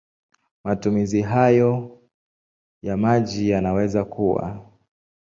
Matumizi hayo ya maji yanaweza kuwa